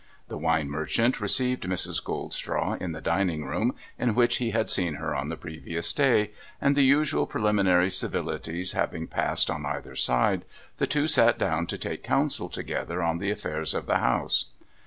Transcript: The wine merchant received Mrs. Goldstraw in the dining room, in which he had seen her on the previous day ; and, the usual preliminary civilities having passed on either side, the two sat down to take counsel together on the affairs of the house.